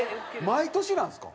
毎年なんですか？